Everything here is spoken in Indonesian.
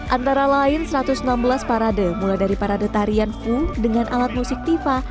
antara lain satu ratus enam belas parade mulai dari parade tarian full dengan alat musik tipa